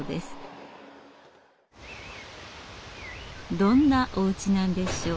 どんなおうちなんでしょう。